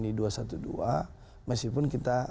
di dua ratus dua belas meskipun kita